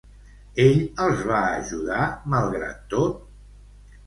Ell els va ajudar, malgrat tot?